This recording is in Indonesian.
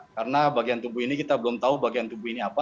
karena bagian tubuh ini kita belum tahu bagian tubuh ini apa